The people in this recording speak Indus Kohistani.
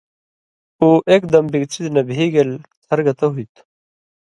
اُو اېک دم بِگ څِزہۡ نہ بھی گېل تھر گتہ ہُوئ تُھو